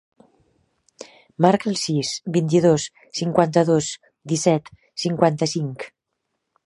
Marca el sis, vint-i-dos, cinquanta-dos, disset, cinquanta-cinc.